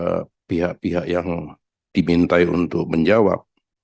ada pihak pihak yang dimintai untuk menjawab